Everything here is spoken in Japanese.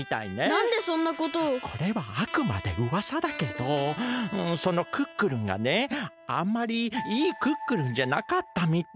これはあくまでうわさだけどそのクックルンがねあんまりいいクックルンじゃなかったみたい。